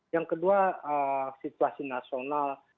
yang kedua situasi nasional